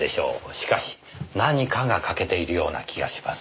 しかし何かが欠けているような気がします。